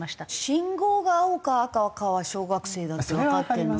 信号が青か赤かは小学生だってわかってるのに。